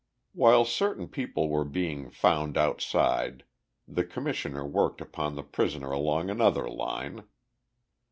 While certain people were being found outside, the Commissioner worked upon the prisoner along another line.